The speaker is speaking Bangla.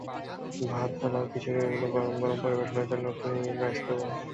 ভাত, পোলাও, খিচুড়ি এগুলো গরম গরম পরিবেশনের জন্য কিনে নিন রাইস কুকার।